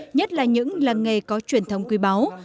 nhất là những làng nghề có truyền thống quy báo